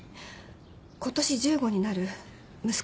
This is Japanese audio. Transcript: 今年１５になる息子がいます。